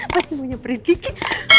pasti mau nyeperin dikit